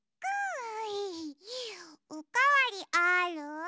おかわりある？